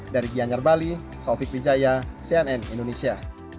dari gianyar bali taufik wijaya cnn indonesia